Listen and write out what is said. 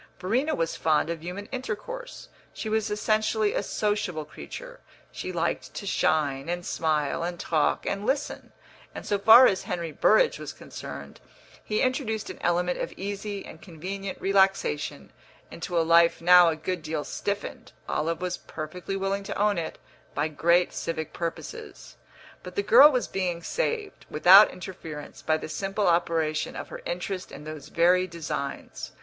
Verena was fond of human intercourse; she was essentially a sociable creature; she liked to shine and smile and talk and listen; and so far as Henry Burrage was concerned he introduced an element of easy and convenient relaxation into a life now a good deal stiffened (Olive was perfectly willing to own it) by great civic purposes. But the girl was being saved, without interference, by the simple operation of her interest in those very designs.